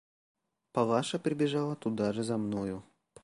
Палаша прибежала туда же за мною.